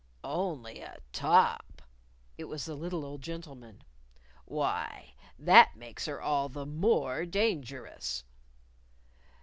"Only a top!" It was the little old gentleman. "Why, that makes her all the more dangerous!"